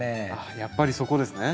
やっぱりそこですね？